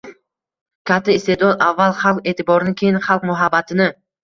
Katta iste’dod avval xalq e’tiborini, keyin xalq muhabbatini